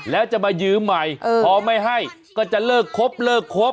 แล้วจะมายืมใหม่พอไม่ให้ก็จะเลิกครบเลิกครบ